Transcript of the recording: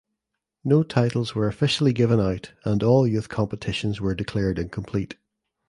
No titles were officially given out and all youth competitions were declared incomplete.